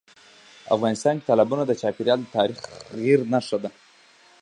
افغانستان کې تالابونه د چاپېریال د تغیر نښه ده.